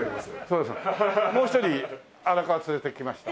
もう一人荒川連れてきました。